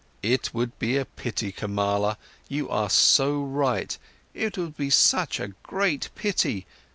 "It would be a pity, Kamala, you are so right! It would be such a great pity.